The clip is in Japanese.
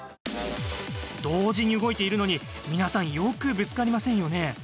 同時に動いているのに皆さん、よくぶつかりませんよね。